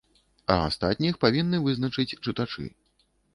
А астатніх павінны вызначыць чытачы.